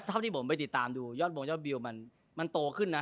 ที่ผมไปติดตามดูยอดมงยอดวิวมันโตขึ้นนะ